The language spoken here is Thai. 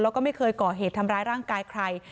แล้วก็ไม่เคยก่อเหตุทำร้ายร่างกายใคร